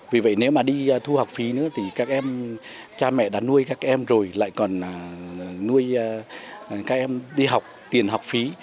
vì vậy nếu mà đi thu học phí nữa thì các em cha mẹ đã nuôi các em rồi lại còn nuôi các em đi học tiền học phí